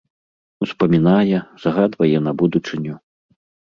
Успамінае, загадвае на будучыню.